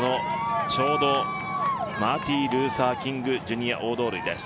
ちょうどマーティン・ルーサー・キング・ジュニア大通りです。